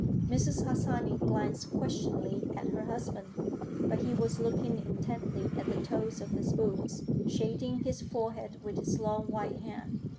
Mrs. Harsanyi glanced questioningly at her husband, but he was looking intently at the toes of his boots, shading his forehead with his long white hand.